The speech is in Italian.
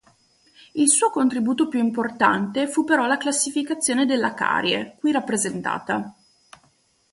Il suo contributo più importante fu però la classificazione della carie, qui rappresentata.